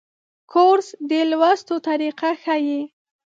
کورس د لوستلو طریقه ښيي.